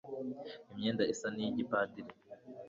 imyenda isa n'iy'igipadiri